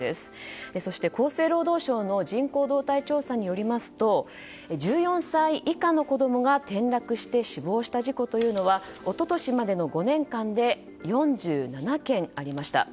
そして、厚生労働省の人口動態調査によりますと１４歳以下の子供が転落して死亡した事故というのは一昨年までの５年間で４７件ありました。